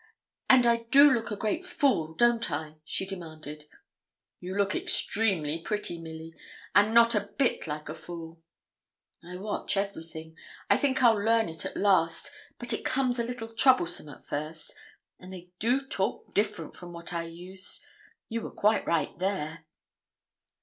'And I do look a great fool, don't I?' she demanded. 'You look extremely pretty, Milly; and not a bit like a fool.' 'I watch everything. I think I'll learn it at last; but it comes a little troublesome at first; and they do talk different from what I used you were quite right there.'